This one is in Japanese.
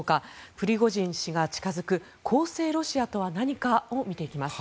プリゴジン氏が近付く公正ロシアとは何かを見ていきます。